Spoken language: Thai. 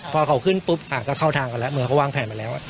พอเขาขึ้นปุ๊บก็เข้าทางกันแล้วเหมือนเขาวางแผนมาแล้ว